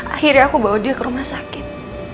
akhirnya aku bawa dia ke rumah sakit